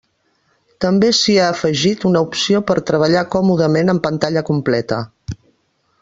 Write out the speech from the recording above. També s'hi ha afegit una opció per treballar còmodament en pantalla completa.